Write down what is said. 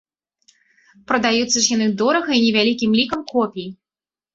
Прадаюцца ж яны дорага і невялікім лікам копій.